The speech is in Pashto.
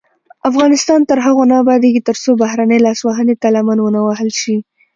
افغانستان تر هغو نه ابادیږي، ترڅو بهرنۍ لاسوهنې ته لمن ونه وهل شي.